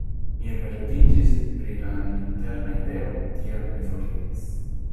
Mi elreviĝis pri la interna ideo, tial mi foriris.